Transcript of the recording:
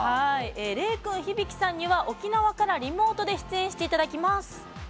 礼くん、響さんには沖縄からリモートで出演していただきます。